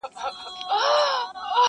یو پرهار نه وي جوړ سوی شل زخمونه نوي راسي٫